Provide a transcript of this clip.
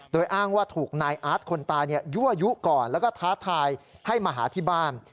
โดยอ้างว่าถูกนายอาร์ตคนตายยั่วยุก่อนแล้วก็ท้าทายให้มาหาที่บ้าน